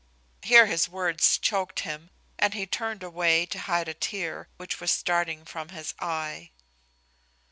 Here his words choaked him, and he turned away to hide a tear which was starting from his eyes.